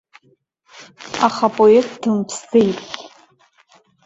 Аха апоет дымԥсӡеит.